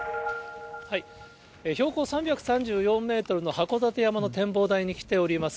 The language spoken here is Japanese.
標高３３４メートルの函館山の展望台に来ております。